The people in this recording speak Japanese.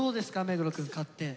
目黒くん勝って。